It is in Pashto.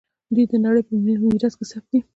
دوی د نړۍ په میراث کې ثبت دي.